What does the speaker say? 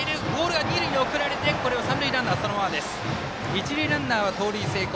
一塁ランナーは盗塁成功。